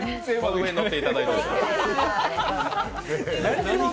上に乗っていただいて。